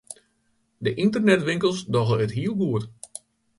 De ynternetwinkels dogge it heel goed.